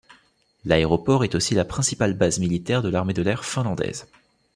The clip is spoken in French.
L'aéroport est aussi la principale base militaire de l'armée de l'air finlandaise.